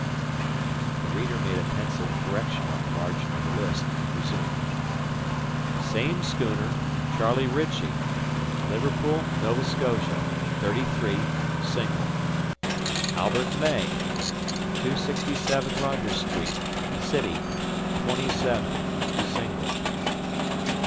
The reader made a pencilled correction on the margin of the list, and resumed. "Same schooner, Charlie Ritchie, Liverpool, Nova Scotia, 33, single. "Albert May, 267 Rogers Street, City, 27, single.